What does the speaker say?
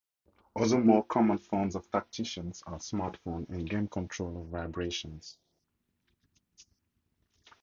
Other more common forms of tactition are smartphone and game controller vibrations.